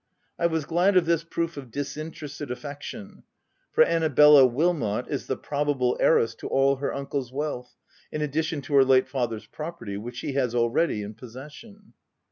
I was glad of this proof of dis interested affection ; for Annabella Wilmot is the probable heiress to all her uncle's wealth, in addition to her late father's property, which she has already in possession.